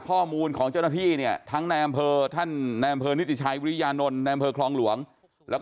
นี่ดูสิครับคือเถียงทุกอย่างค่ะเถียงหมดเลยบอกโดนกลั่นแกล้ง